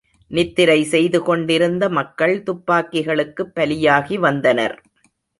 நித்திரை செய்துகொண்டிருந்த மக்கள் துப்பாக்கிகளுக்குப் பலியாகி வந்தனர்.